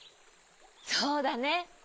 そうだね。